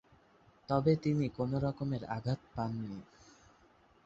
তবে তিনি কোন রকমের আঘাত পাননি।